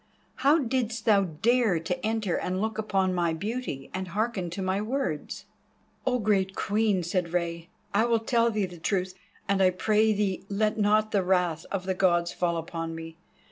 How didst thou dare to enter and look upon my beauty and hearken to my words?" "Oh, great Queen," said Rei, "I will tell thee the truth, and I pray thee let not the wrath of the Gods fall upon me.